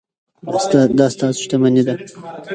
دا ستاسو شتمني ده.